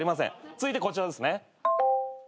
続いてこちらですね。